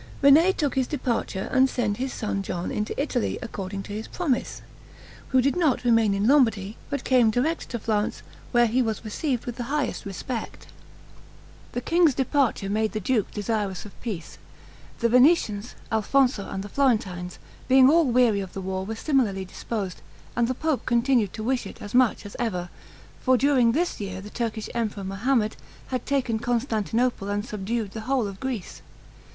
René took his departure, and send his son John into Italy, according to his promise, who did not remain in Lombardy, but came direct to Florence, where he was received with the highest respect. The king's departure made the duke desirous of peace. The Venetians, Alfonso, and the Florentines, being all weary of the war, were similarly disposed; and the pope continued to wish it as much as ever; for during this year the Turkish emperor, Mohammed, had taken Constantinople and subdued the whole of Greece.